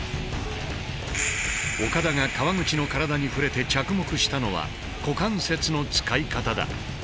岡田が川口の体に触れて着目したのは股関節の使い方だ。